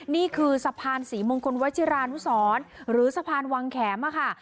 นี่คือสะพานศรีมงคลวัชิรานุสรหรือสะพานวังแขมค่ะ